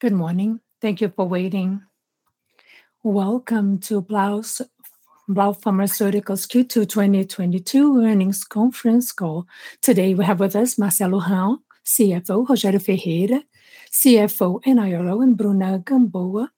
Good morning. Thank you for waiting. Welcome to Blau Farmacêutica's Q2 2022 Earnings Conference Call. Today we have with us Marcelo Hahn, CEO, Rogério Ferreira, CFO and IRO, and Bruna Gambôa,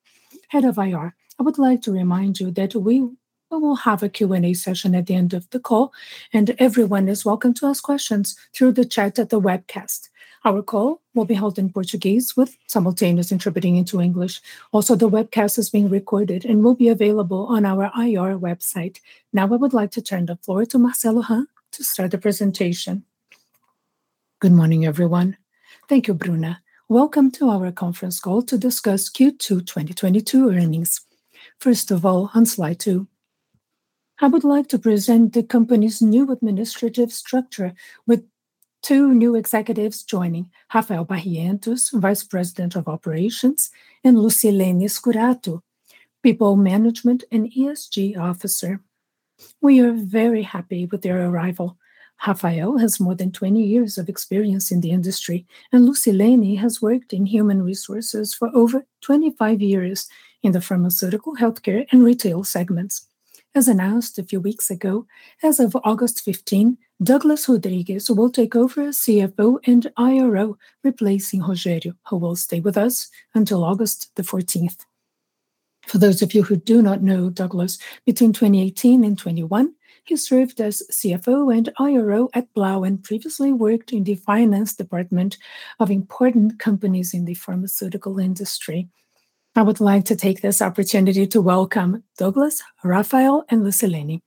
Head of IR. I would like to remind you that we will have a Q&A session at the end of the call, and everyone is welcome to ask questions through the chat at the webcast. Our call will be held in Portuguese with simultaneous interpreting into English. Also, the webcast is being recorded and will be available on our IR website. Now, I would like to turn the floor to Marcelo Hahn to start the presentation. Good morning, everyone. Thank you, Bruna. Welcome to our conference call to discuss Q2 2022 earnings. First of all, on slide two, I would like to present the company's new administrative structure with two new executives joining, Rafael Barrientos, Vice President of Operations, and Lucilene Scurato, People Management and ESG Officer. We are very happy with their arrival. Rafael has more than 20 years of experience in the industry, and Lucilene has worked in human resources for over 25 years in the pharmaceutical, healthcare, and retail segments. As announced a few weeks ago, as of August 15, Douglas Rodrigues will take over as CFO and IRO, replacing Rogério, who will stay with us until August 14. For those of you who do not know Douglas, between 2018 and 2021, he served as CFO and IRO at Blau Farmacêutica and previously worked in the finance department of important companies in the pharmaceutical industry. I would like to take this opportunity to welcome Douglas, Rafael, and Lucilene.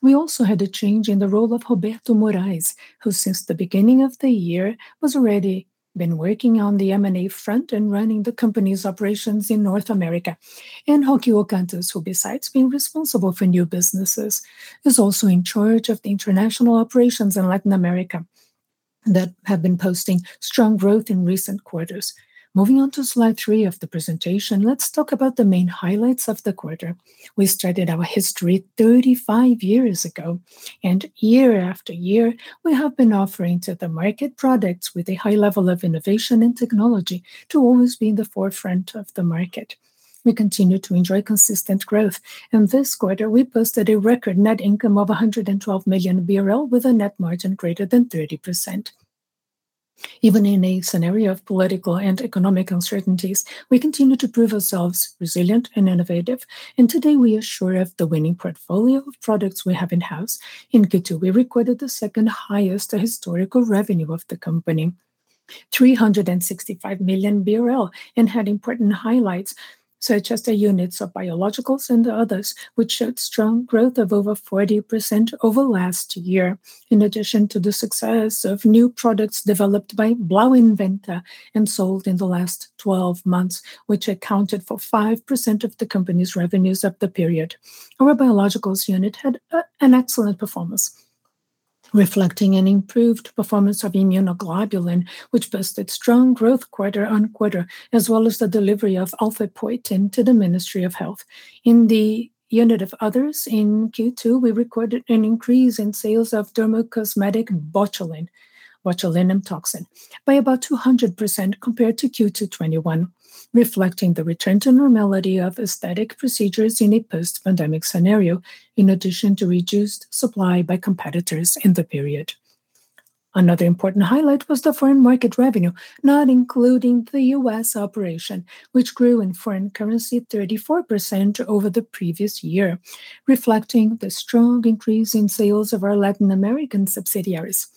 We also had a change in the role of Roberto Morais, who since the beginning of the year was already been working on the M&A front and running the company's operations in North America. Roque Ocanha, who besides being responsible for new businesses, is also in charge of the international operations in Latin America that have been posting strong growth in recent quarters. Moving on to slide 3 of the presentation, let's talk about the main highlights of the quarter. We started our history 35 years ago, and year after year, we have been offering to the market products with a high level of innovation and technology to always be in the forefront of the market. We continue to enjoy consistent growth. In this quarter, we posted a record net income of 112 million with a net margin greater than 30%. Even in a scenario of political and economic uncertainties, we continue to prove ourselves resilient and innovative, and today, we are sure of the winning portfolio of products we have in-house. In Q2, we recorded the second-highest historical revenue of the company, 365 million BRL, and had important highlights, such as the units of biologicals and others, which showed strong growth of over 40% over last year. In addition to the success of new products developed by Blau Inventor and sold in the last 12 months, which accounted for 5% of the company's revenues of the period. Our biologicals unit had an excellent performance, reflecting an improved performance of Immunoglobulin, which posted strong growth quarter-on-quarter, as well as the delivery of Alfaepoetina to the Ministry of Health. In the unit of others in Q2, we recorded an increase in sales of dermocosmetic botulinum toxin, by about 200% compared to Q2 2021, reflecting the return to normality of aesthetic procedures in a post-pandemic scenario, in addition to reduced supply by competitors in the period. Another important highlight was the foreign market revenue, not including the U.S. operation, which grew in foreign currency 34% over the previous year, reflecting the strong increase in sales of our Latin American subsidiaries.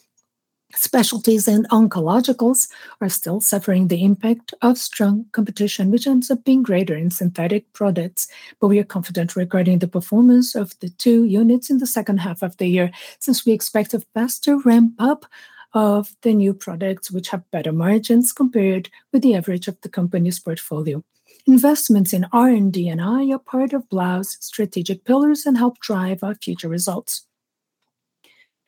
Specialties and oncologicals are still suffering the impact of strong competition, which ends up being greater in synthetic products, but we are confident regarding the performance of the two units in the second half of the year, since we expect a faster ramp-up of the new products which have better margins compared with the average of the company's portfolio. Investments in R&D and I are part of Blau's strategic pillars and help drive our future results.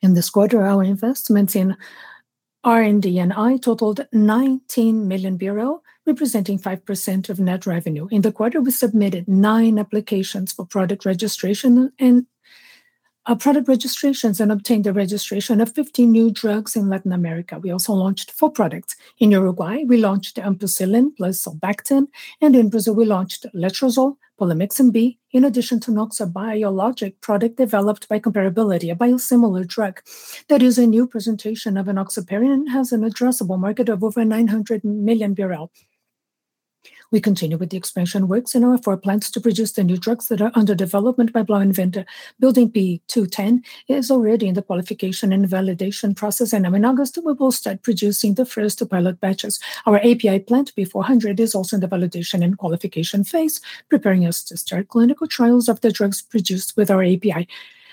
In this quarter, our investments in R&D and I totaled 19 million, representing 5% of net revenue. In the quarter, we submitted nine applications for product registration and product registrations and obtained the registration of 15 new drugs in Latin America. We also launched four products. In Uruguay, we launched ampicilina sódica + sulbactam sódico, and in Brazil, we launched letrozole, polymyxin B, in addition to Noxx biologic product developed by comparability, a biosimilar drug that is a new presentation of enoxaparin and has an addressable market of over 900 million BRL. We continue with the expansion works in our four plants to produce the new drugs that are under development by Blau Inventor. Building B-210 is already in the qualification and validation process, and in August, we will start producing the first pilot batches. Our API plant, B-400, is also in the validation and qualification phase, preparing us to start clinical trials of the drugs produced with our API. I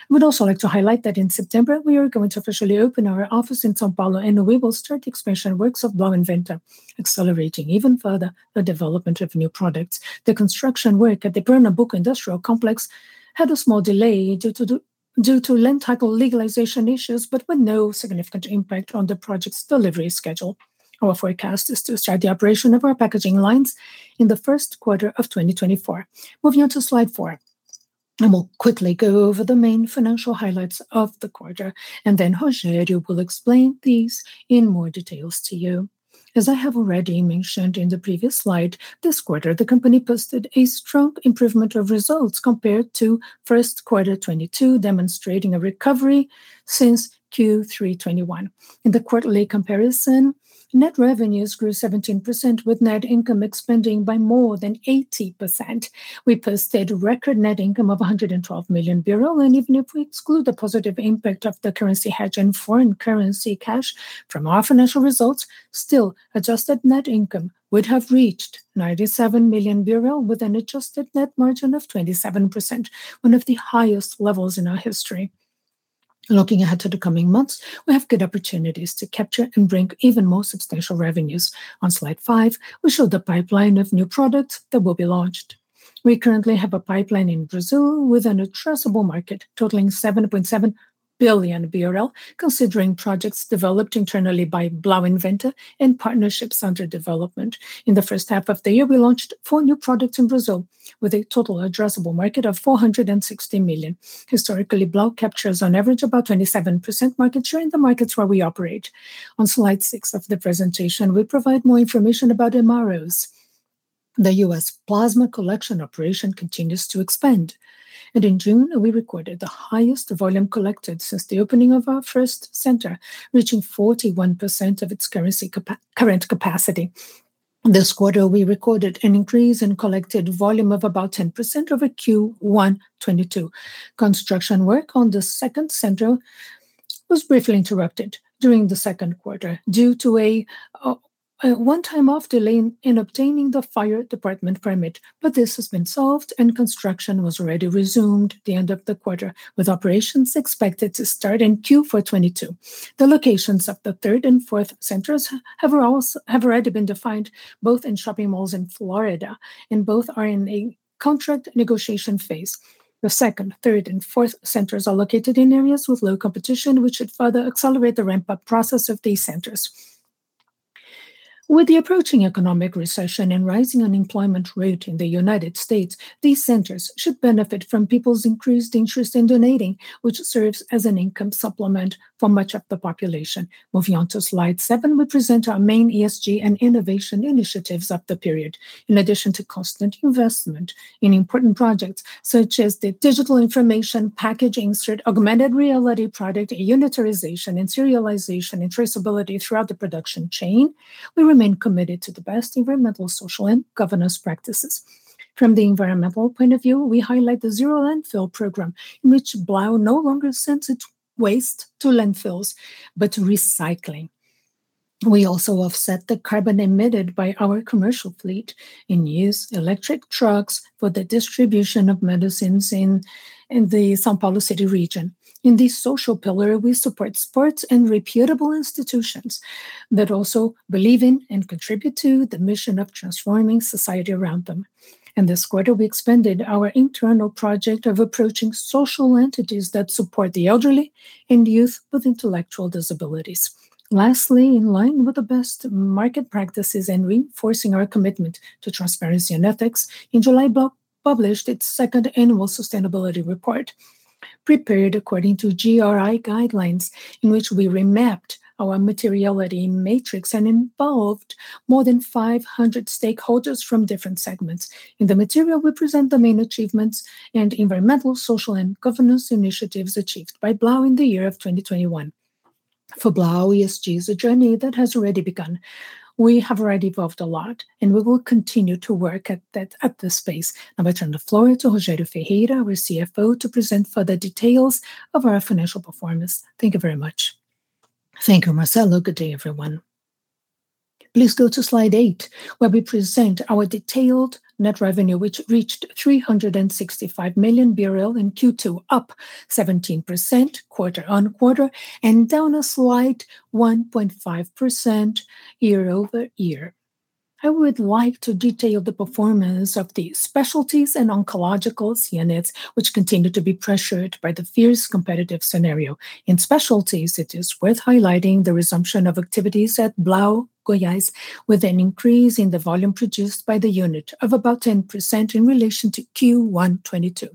would also like to highlight that in September, we are going to officially open our office in São Paulo, and we will start the expansion works of Blau Inventor, accelerating even further the development of new products. The construction work at the Pernambuco Industrial Complex had a small delay due to land title legalization issues, but with no significant impact on the project's delivery schedule. Our forecast is to start the operation of our packaging lines in the first quarter of 2024. Moving on to slide four. I will quickly go over the main financial highlights of the quarter, and then Rogério will explain these in more details to you. As I have already mentioned in the previous slide, this quarter, the company posted a strong improvement of results compared to first quarter 2022, demonstrating a recovery since Q3 2021. In the quarterly comparison, net revenues grew 17% with net income expanding by more than 80%. We posted record net income of 112 million, and even if we exclude the positive impact of the currency hedge and foreign currency cash from our financial results, still, adjusted net income would have reached 97 million with an adjusted net margin of 27%, one of the highest levels in our history. Looking ahead to the coming months, we have good opportunities to capture and bring even more substantial revenues. On slide 5, we show the pipeline of new products that will be launched. We currently have a pipeline in Brazil with an addressable market totaling 7.7 billion BRL, considering projects developed internally by Blau Inventor and partnerships under development. In the first half of the year, we launched 4 new products in Brazil with a total addressable market of 460 million. Historically, Blau captures on average about 27% market share in the markets where we operate. On slide 6 of the presentation, we provide more information about MROs. The U.S. plasma collection operation continues to expand. In June, we recorded the highest volume collected since the opening of our first center, reaching 41% of its current capacity. This quarter, we recorded an increase in collected volume of about 10% over Q1 2022. Construction work on the second center was briefly interrupted during the second quarter due to a one-time delay in obtaining the fire department permit, but this has been solved, and construction was already resumed at the end of the quarter, with operations expected to start in Q4 2022. The locations of the third and fourth centers have already been defined both in shopping malls in Florida, and both are in a contract negotiation phase. The second, third, and fourth centers are located in areas with low competition, which should further accelerate the ramp-up process of these centers. With the approaching economic recession and rising unemployment rate in the United States, these centers should benefit from people's increased interest in donating, which serves as an income supplement for much of the population. Moving on to slide seven, we present our main ESG and innovation initiatives of the period. In addition to constant investment in important projects such as the digital information packaging insert, augmented reality product, unitarization and serialization and traceability throughout the production chain, we remain committed to the best environmental, social, and governance practices. From the environmental point of view, we highlight the zero landfill program in which Blau no longer sends its waste to landfills, but to recycling. We also offset the carbon emitted by our commercial fleet and use electric trucks for the distribution of medicines in the São Paulo city region. In the social pillar, we support sports and reputable institutions that also believe in and contribute to the mission of transforming society around them. In this quarter, we expanded our internal project of approaching social entities that support the elderly and youth with intellectual disabilities. Lastly, in line with the best market practices and reinforcing our commitment to transparency and ethics, in July, Blau published its second annual sustainability report, prepared according to GRI guidelines in which we remapped our materiality matrix and involved more than 500 stakeholders from different segments. In the material, we present the main achievements and environmental, social, and governance initiatives achieved by Blau in the year of 2021. For Blau, ESG is a journey that has already begun. We have already evolved a lot, and we will continue to work at this space. Now I turn the floor to Rogério Ferreira, our CFO, to present further details of our financial performance. Thank you very much. Thank you, Marcelo. Good day, everyone. Please go to slide 8, where we present our detailed net revenue, which reached 365 million BRL in Q2, up 17% quarter-on-quarter and down a slight 1.5% year-over-year. I would like to detail the performance of the specialties and oncological units, which continued to be pressured by the fierce competitive scenario. In specialties, it is worth highlighting the resumption of activities at Blau Goiás with an increase in the volume produced by the unit of about 10% in relation to Q1 2022.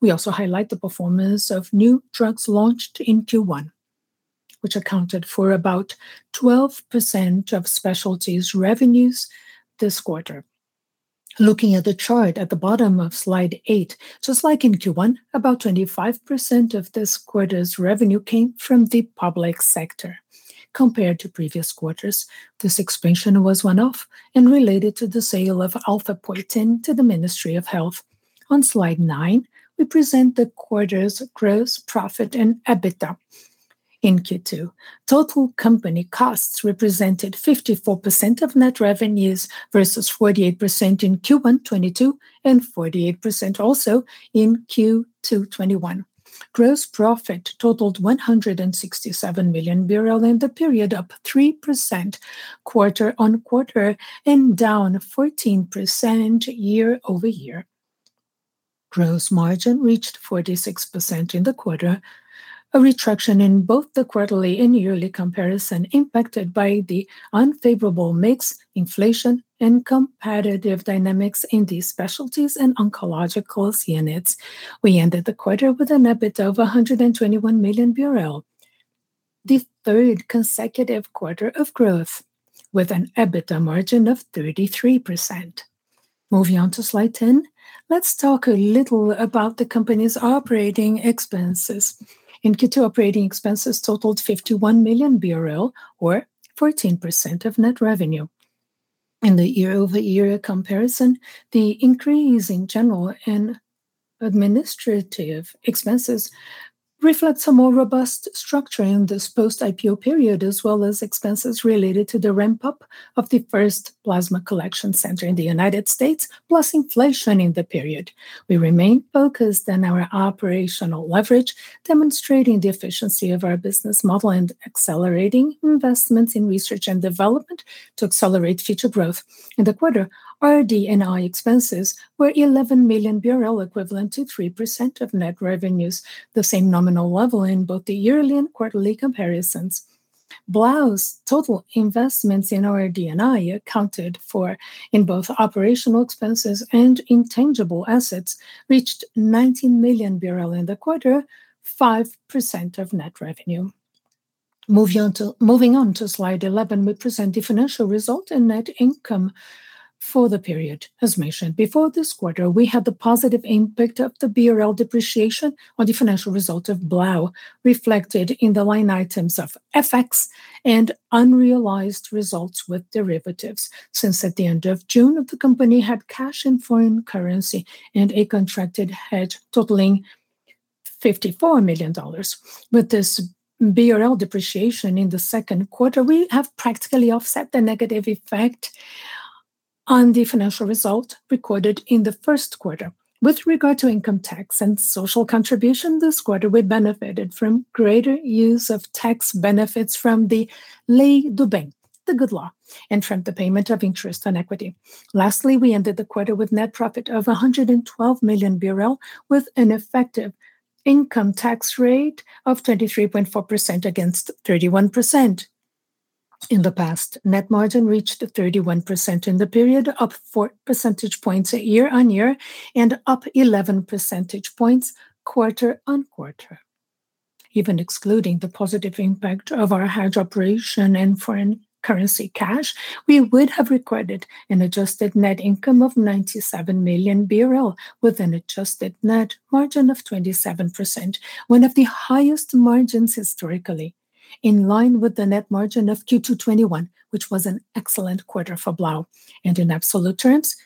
We also highlight the performance of new drugs launched in Q1, which accounted for about 12% of specialties revenues this quarter. Looking at the chart at the bottom of slide 8, just like in Q1, about 25% of this quarter's revenue came from the public sector. Compared to previous quarters, this expansion was one-off and related to the sale of Alfaepoetina to the Ministry of Health. On slide nine, we present the quarter's gross profit and EBITDA. In Q2, total company costs represented 54% of net revenues versus 48% in Q1 2022 and 48% also in Q2 2021. Gross profit totaled 167 million in the period, up 3% quarter-on-quarter and down 14% year-over-year. Gross margin reached 46% in the quarter, a retraction in both the quarterly and yearly comparison impacted by the unfavorable mix, inflation, and competitive dynamics in the specialties and oncological units. We ended the quarter with an EBITDA of 121 million. The third consecutive quarter of growth with an EBITDA margin of 33%. Moving on to slide 10, let's talk a little about the company's operating expenses. In Q2, operating expenses totaled 51 million BRL, or 14% of net revenue. In the year-over-year comparison, the increase in general and administrative expenses reflect a more robust structure in this post-IPO period, as well as expenses related to the ramp-up of the first plasma collection center in the United States, plus inflation in the period. We remain focused on our operational leverage, demonstrating the efficiency of our business model and accelerating investments in research and development to accelerate future growth. In the quarter, R&D and IT expenses were 11 million, equivalent to 3% of net revenues, the same nominal level in both the yearly and quarterly comparisons. Blau's total investments in RD&I accounted for in both operational expenses and intangible assets reached 19 million BRL in the quarter, 5% of net revenue. Moving on to slide 11, we present the financial result and net income for the period. As mentioned before this quarter, we had the positive impact of the BRL depreciation on the financial result of Blau, reflected in the line items of FX and unrealized results with derivatives. Since at the end of June, the company had cash in foreign currency and a contracted hedge totaling $54 million. With this BRL depreciation in the second quarter, we have practically offset the negative effect on the financial result recorded in the first quarter. With regard to income tax and social contribution this quarter, we benefited from greater use of tax benefits from the Lei do Bem, the Good Law, and from the payment of interest on equity. We ended the quarter with net profit of 112 million, with an effective income tax rate of 23.4% against 31%. In the past, net margin reached 31% in the period, up four percentage points year on year and up eleven percentage points quarter on quarter. Even excluding the positive impact of our hedge operation and foreign currency cash, we would have recorded an adjusted net income of 97 million with an adjusted net margin of 27%, one of the highest margins historically, in line with the net margin of Q2 2021, which was an excellent quarter for Blau. In absolute terms,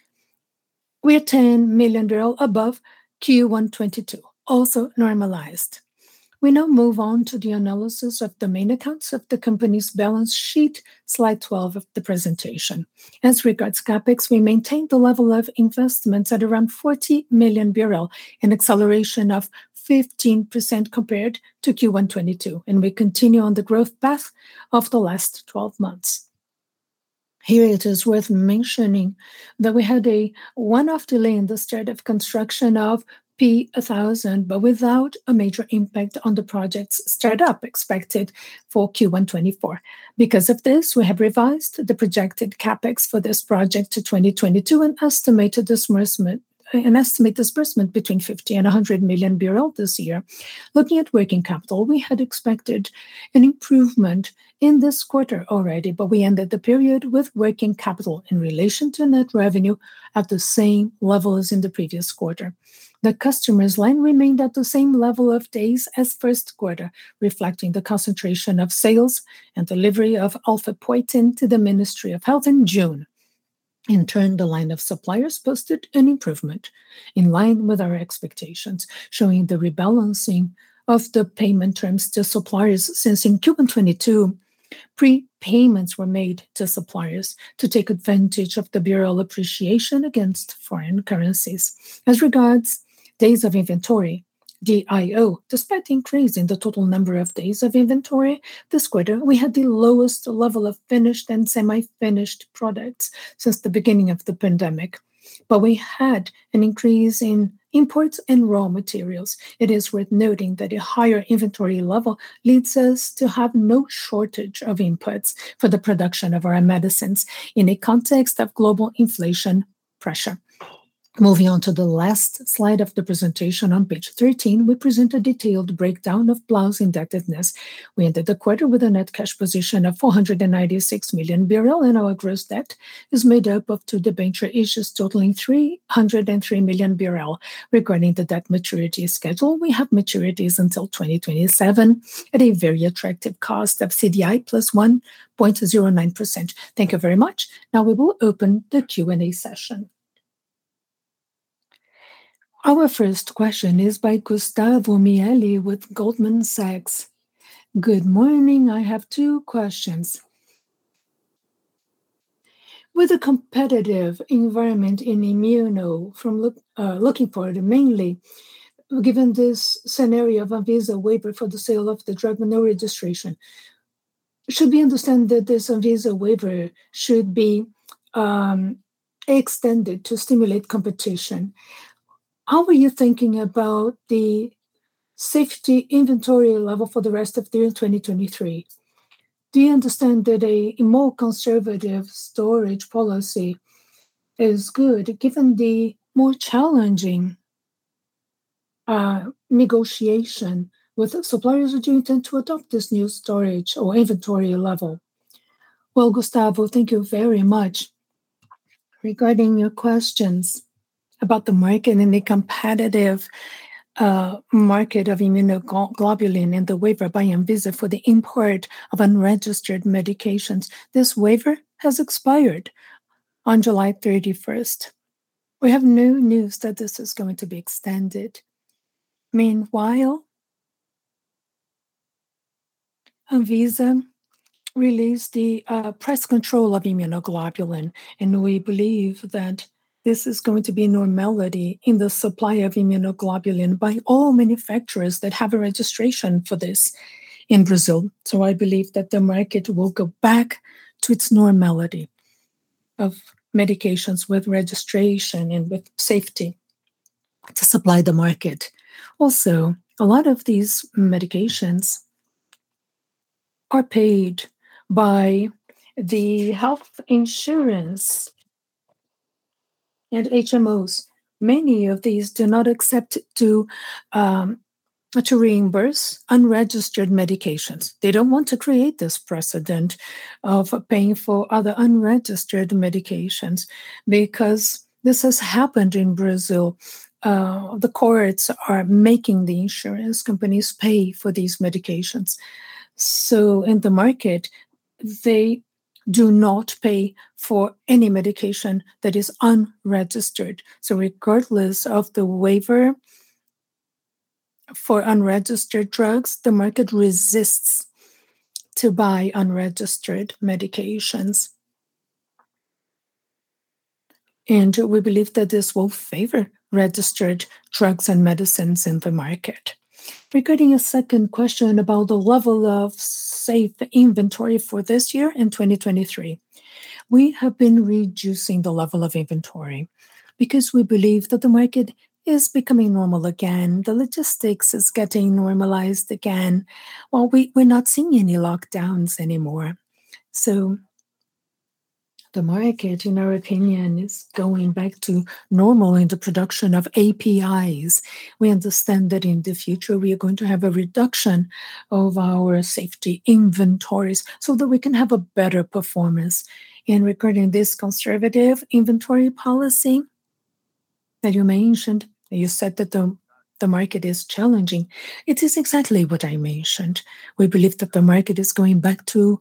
we are 10 million above Q1 2022, also normalized. We now move on to the analysis of the main accounts of the company's balance sheet, slide 12 of the presentation. As regards CapEx, we maintained the level of investments at around 40 million, an acceleration of 15% compared to Q1 2022, and we continue on the growth path of the last 12 months. Here it is worth mentioning that we had a one-off delay in the start of construction of PE-1000, but without a major impact on the project's start up expected for Q1 2024. Because of this, we have revised the projected CapEx for this project to 2022, an estimated disbursement between 50 million and 100 million this year. Looking at working capital, we had expected an improvement in this quarter already, but we ended the period with working capital in relation to net revenue at the same level as in the previous quarter. The customers line remained at the same level of days as first quarter, reflecting the concentration of sales and delivery of Alfaepoetina to the Ministry of Health in June. In turn, the line of suppliers posted an improvement in line with our expectations, showing the rebalancing of the payment terms to suppliers since in Q1 2022, prepayments were made to suppliers to take advantage of the BRL appreciation against foreign currencies. As regards days of inventory, DIO, despite increase in the total number of days of inventory this quarter, we had the lowest level of finished and semi-finished products since the beginning of the pandemic. We had an increase in imports and raw materials. It is worth noting that a higher inventory level leads us to have no shortage of inputs for the production of our own medicines in a context of global inflation pressure. Moving on to the last slide of the presentation on page 13, we present a detailed breakdown of Blau's indebtedness. We ended the quarter with a net cash position of 496 million, and our gross debt is made up of two debenture issues totaling 303 million. Regarding the debt maturity schedule, we have maturities until 2027 at a very attractive cost of CDI + 1.09%. Thank you very much. Now we will open the Q&A session. Our first question is by Gustavo Miele with Goldman Sachs. Good morning. I have two questions. With the competitive environment in immunoglobulin, looking forward, and mainly given this scenario of an Anvisa waiver for the sale of the unregistered drug, should we understand that this Anvisa waiver should be extended to stimulate competition? How are you thinking about the safety inventory level for the rest of the year 2023? Do you understand that a more conservative storage policy is good given the more challenging negotiation with suppliers? Would you intend to adopt this new storage or inventory level? Well, Gustavo, thank you very much. Regarding your questions about the market and the competitive market of immunoglobulin and the waiver by Anvisa for the import of unregistered medications, this waiver has expired on July 31. We have no news that this is going to be extended. Meanwhile, Anvisa released the press control of immunoglobulin, and we believe that this is going to be normality in the supply of immunoglobulin by all manufacturers that have a registration for this in Brazil. I believe that the market will go back to its normality of medications with registration and with safety to supply the market. Also, a lot of these medications are paid by the health insurance and HMOs. Many of these do not accept to reimburse unregistered medications. They don't want to create this precedent of paying for other unregistered medications because this has happened in Brazil. The courts are making the insurance companies pay for these medications. In the market, they do not pay for any medication that is unregistered. Regardless of the waiver for unregistered drugs, the market resists to buy unregistered medications. We believe that this will favor registered drugs and medicines in the market. Regarding a second question about the level of safe inventory for this year, in 2023, we have been reducing the level of inventory because we believe that the market is becoming normal again. The logistics is getting normalized again. Well, we're not seeing any lockdowns anymore. So the market, in our opinion, is going back to normal in the production of APIs. We understand that in the future we are going to have a reduction of our safety inventories so that we can have a better performance. Regarding this conservative inventory policy that you mentioned, you said that the market is challenging. It is exactly what I mentioned. We believe that the market is going back to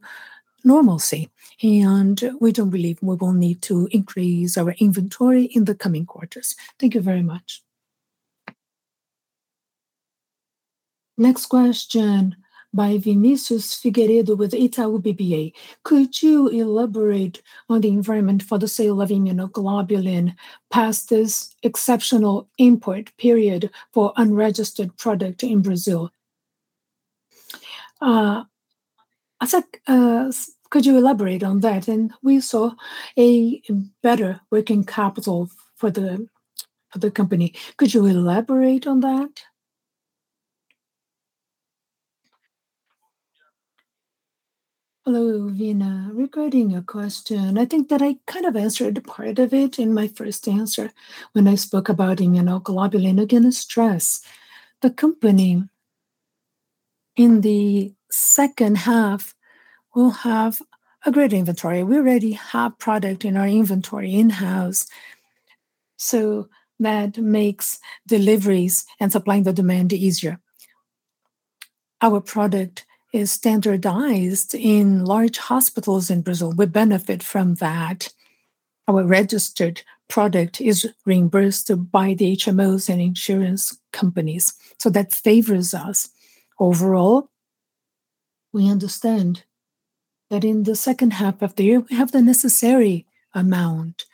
normalcy, and we don't believe we will need to increase our inventory in the coming quarters. Thank you very much. Next question by Vinicius Figueiredo with Itaú BBA. Could you elaborate on the environment for the sale of immunoglobulin past this exceptional import period for unregistered product in Brazil? Could you elaborate on that? And we saw a better working capital for the company. Could you elaborate on that? Hello, Vina. Regarding your question, I think that I kind of answered part of it in my first answer when I spoke about immunoglobulin. Again, stress. The company in the second half will have a great inventory. We already have product in our inventory in-house, so that makes deliveries and supplying the demand easier. Our product is standardized in large hospitals in Brazil. We benefit from that. Our registered product is reimbursed by the HMOs and insurance companies, so that favors us. Overall, we understand that in the second half of the year, we have the necessary amount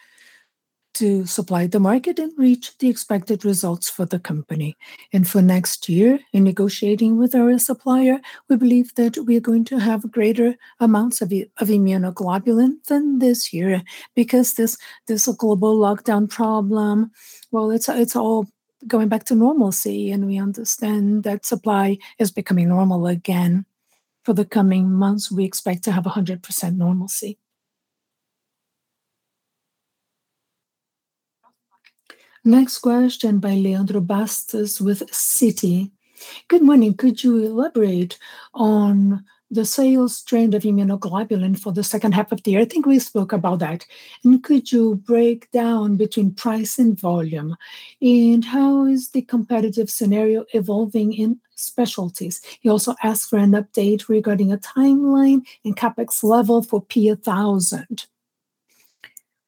to supply the market and reach the expected results for the company. For next year, in negotiating with our supplier, we believe that we're going to have greater amounts of immunoglobulin than this year because this global lockdown problem, well, it's all going back to normalcy and we understand that supply is becoming normal again. For the coming months, we expect to have 100% normalcy. Next question by Leandro Bastos with Citi. Good morning. Could you elaborate on the sales trend of immunoglobulin for the second half of the year? I think we spoke about that. Could you break down between price and volume? How is the competitive scenario evolving in specialties? He also asked for an update regarding a timeline and CapEx level for PE-1000.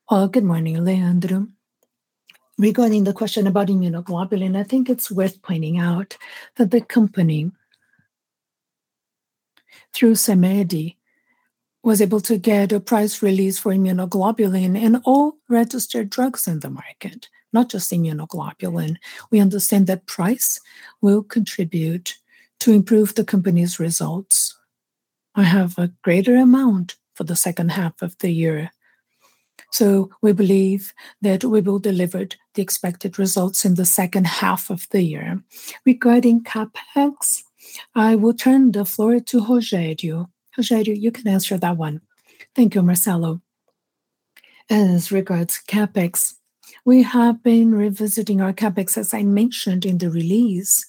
Well, good morning, Leandro. Regarding the question about immunoglobulin, I think it's worth pointing out that the company, through CMED, was able to get a price release for immunoglobulin and all registered drugs in the market, not just immunoglobulin. We understand that price will contribute to improve the company's results and have a greater amount for the second half of the year. We believe that we will deliver the expected results in the second half of the year. Regarding CapEx, I will turn the floor to Rogério. Rogério, you can answer that one. Thank you, Marcelo. As regards CapEx, we have been revisiting our CapEx. As I mentioned in the release,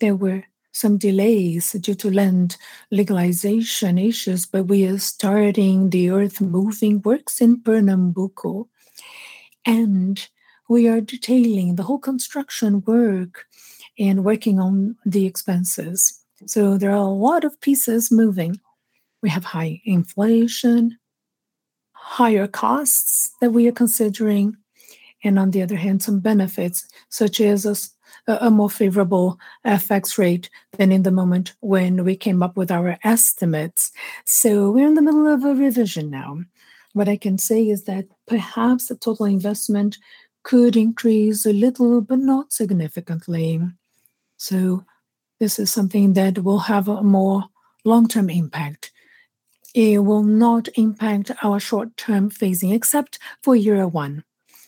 there were some delays due to land legalization issues, but we are starting the earth-moving works in Pernambuco, and we are detailing the whole construction work and working on the expenses. There are a lot of pieces moving. We have high inflation, higher costs that we are considering, and on the other hand, some benefits such as a more favorable FX rate than in the moment when we came up with our estimates. We're in the middle of a revision now. What I can say is that perhaps the total investment could increase a little, but not significantly. This is something that will have a more long-term impact. It will not impact our short-term phasing, except for year one,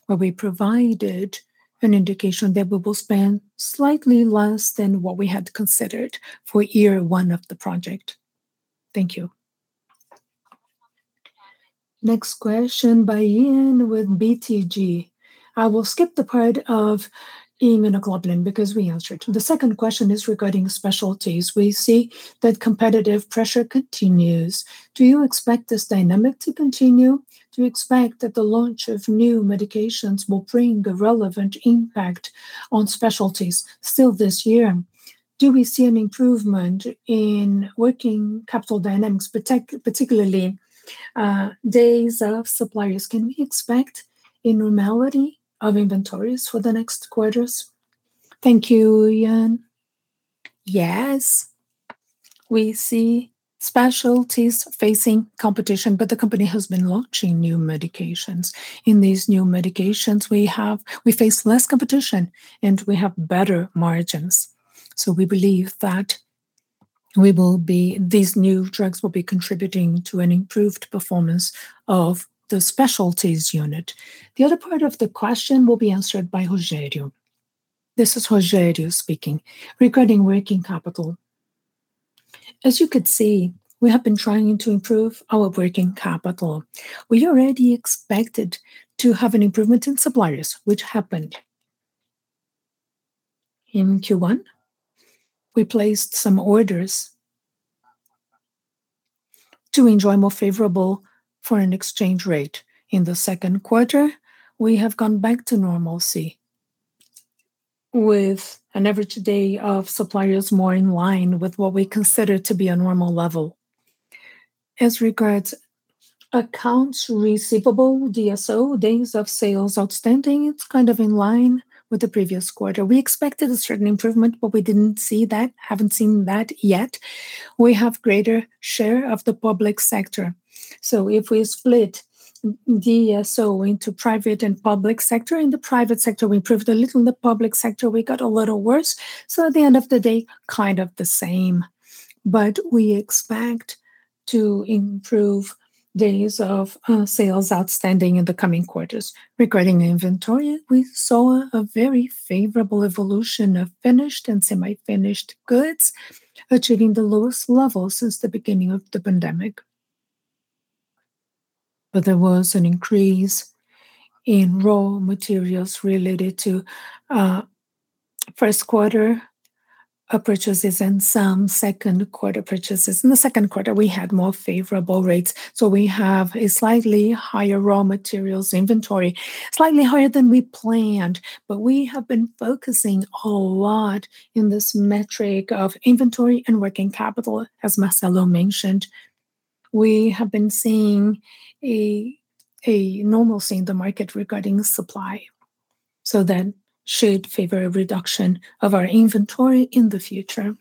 where we provided an indication that we will spend slightly less than what we had considered for year one of the project. Thank you. Next question by Ian with BTG. I will skip the part of Immunoglobulin because we answered. The second question is regarding specialties. We see that competitive pressure continues. Do you expect this dynamic to continue? Do you expect that the launch of new medications will bring a relevant impact on specialties still this year? Do we see an improvement in working capital dynamics, particularly days of suppliers? Can we expect a normality of inventories for the next quarters? Thank you, Ian. Yes. We see specialties facing competition, but the company has been launching new medications. In these new medications, we face less competition, and we have better margins. We believe that these new drugs will be contributing to an improved performance of the specialties unit. The other part of the question will be answered by Rogério. This is Rogério speaking. Regarding working capital, as you could see, we have been trying to improve our working capital. We already expected to have an improvement in suppliers, which happened. In Q1, we placed some orders to enjoy more favorable foreign exchange rate. In the second quarter, we have gone back to normalcy, with an average day of suppliers more in line with what we consider to be a normal level. As regards accounts receivable, DSO, days of sales outstanding, it's kind of in line with the previous quarter. We expected a certain improvement, but we didn't see that. Haven't seen that yet. We have greater share of the public sector. If we split DSO into private and public sector, in the private sector, we improved a little. In the public sector, we got a little worse. At the end of the day, kind of the same. We expect to improve days of sales outstanding in the coming quarters. Regarding inventory, we saw a very favorable evolution of finished and semi-finished goods, achieving the lowest level since the beginning of the pandemic. There was an increase in raw materials related to first quarter purchases and some second quarter purchases. In the second quarter, we had more favorable rates, so we have a slightly higher raw materials inventory, slightly higher than we planned. We have been focusing a lot in this metric of inventory and working capital, as Marcelo mentioned. We have been seeing a normalcy in the market regarding supply. should favor a reduction of our inventory in the future.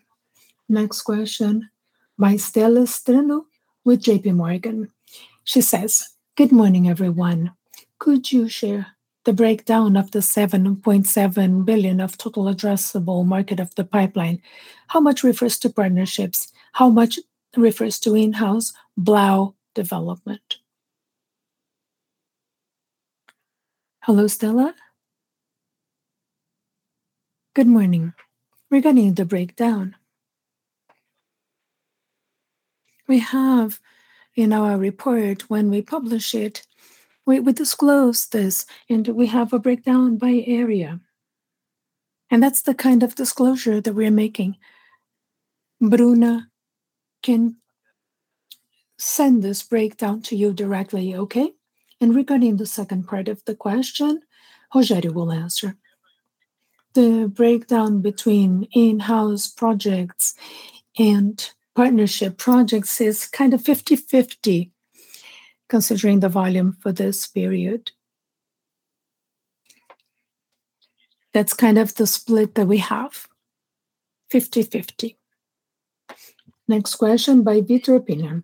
Next question by Stella Ujvari with J.P. Morgan. She says, "Good morning, everyone. Could you share the breakdown of the 7.7 billion of total addressable market of the pipeline? How much refers to partnerships? How much refers to in-house Blau development?" Hello, Stella. Good morning. Regarding the breakdown, we have in our report when we publish it, we disclose this, and we have a breakdown by area. That's the kind of disclosure that we're making. Bruna can send this breakdown to you directly, okay? Regarding the second part of the question, Rogério will answer. The breakdown between in-house projects and partnership projects is kind of 50-50, considering the volume for this period. That's kind of the split that we have, 50-50. Next question by Vitor Pini.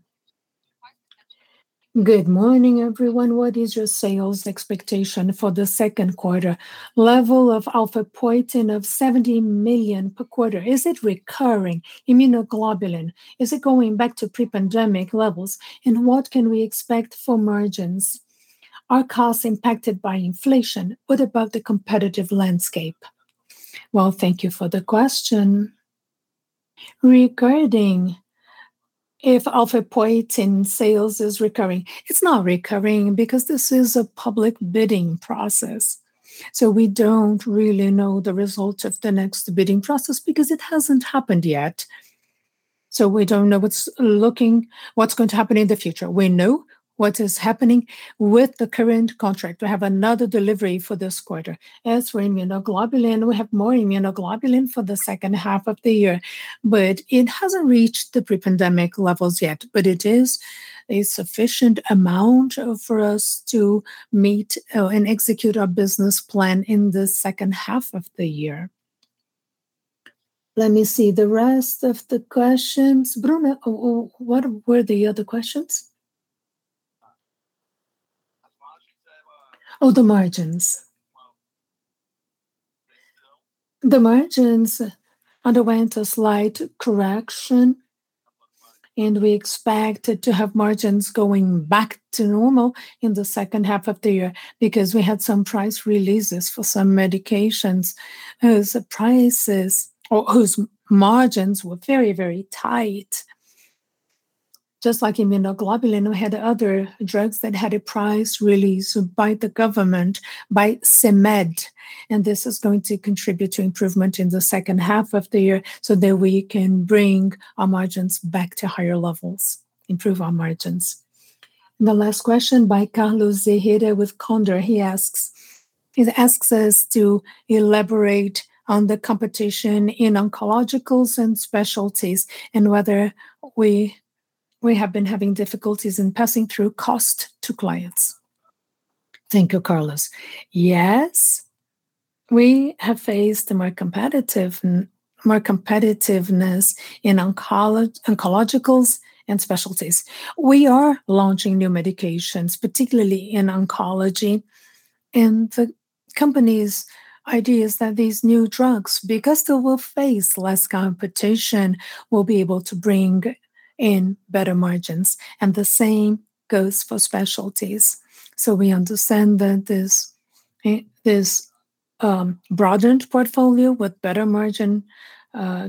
Good morning, everyone. What is your sales expectation for the second quarter? Level of Alfaepoetina of 70 million per quarter, is it recurring? Immunoglobulin, is it going back to pre-pandemic levels? What can we expect for margins? Are costs impacted by inflation? What about the competitive landscape? Well, thank you for the question. Regarding if Alfaepoetina sales is recurring. It's not recurring because this is a public bidding process, so we don't really know the result of the next bidding process because it hasn't happened yet. We don't know what's going to happen in the future. We know what is happening with the current contract. We have another delivery for this quarter. As for Immunoglobulin, we have more Immunoglobulin for the second half of the year, but it hasn't reached the pre-pandemic levels yet. It is a sufficient amount for us to meet and execute our business plan in the second half of the year. Let me see the rest of the questions. Bruna, what were the other questions? The margins underwent a slight correction, and we expected to have margins going back to normal in the second half of the year because we had some price releases for some medications whose prices or whose margins were very, very tight. Just like Immunoglobulin, we had other drugs that had a price release by the government, by CMED, and this is going to contribute to improvement in the second half of the year so that we can bring our margins back to higher levels, improve our margins. The last question by Carlos de la Rochette with Condor, he asks us to elaborate on the competition in oncologicals and specialties and whether we have been having difficulties in passing through cost to clients. Thank you, Carlos. Yes. We have faced more competitiveness in oncologicals and specialties. We are launching new medications, particularly in oncology, and the company's idea is that these new drugs, because they will face less competition, will be able to bring in better margins, and the same goes for specialties. We understand that this broadened portfolio with better margin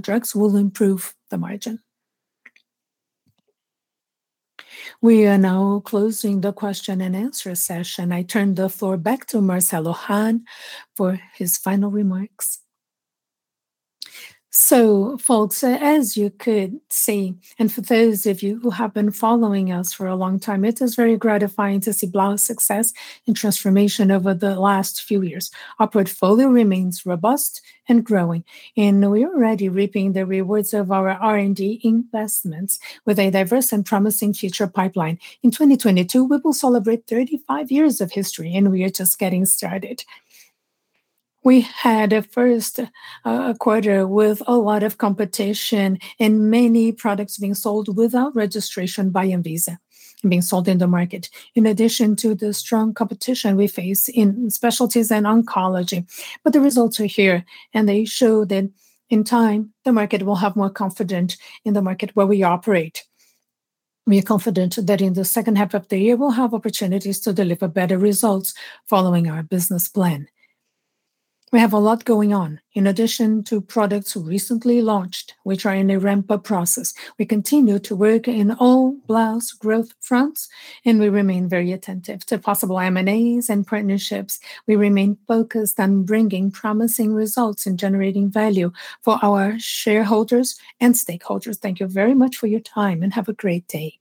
drugs will improve the margin. We are now closing the question-and-answer session. I turn the floor back to Marcelo Hahn for his final remarks. Folks, as you could see, and for those of you who have been following us for a long time, it is very gratifying to see Blau Farmacêutica's success and transformation over the last few years. Our portfolio remains robust and growing, and we're already reaping the rewards of our R&D investments with a diverse and promising future pipeline. In 2022, we will celebrate 35 years of history, and we are just getting started. We had a first quarter with a lot of competition and many products being sold without registration by Anvisa, being sold in the market, in addition to the strong competition we face in specialties and oncology. The results are here, and they show that in time, the market will have more confidence in the market where we operate. We are confident that in the second half of the year, we'll have opportunities to deliver better results following our business plan. We have a lot going on. In addition to products recently launched, which are in a ramp-up process, we continue to work in all Blau's growth fronts, and we remain very attentive to possible M&As and partnerships. We remain focused on bringing promising results and generating value for our shareholders and stakeholders. Thank you very much for your time, and have a great day.